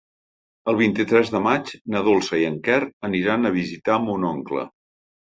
El vint-i-tres de maig na Dolça i en Quer aniran a visitar mon oncle.